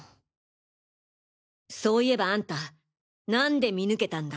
そういえばアンタ何で見抜けたんだ？